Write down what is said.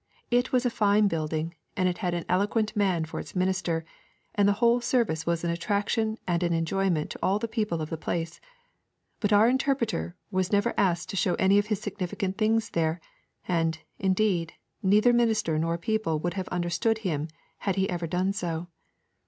It was a fine building, and it had an eloquent man for its minister, and the whole service was an attraction and an enjoyment to all the people of the place; but our Interpreter was never asked to show any of his significant things there; and, indeed, neither minister nor people would have understood him had he ever done so.